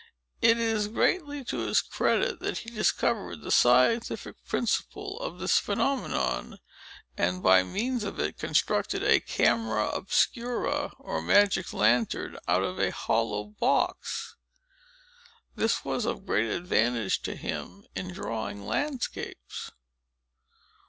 It is greatly to his credit, that he discovered the scientific principle of this phenomenon, and, by means of it, constructed a Camera Obscura, or Magic Lantern, out of a hollow box. This was of great advantage to him in drawing landscapes.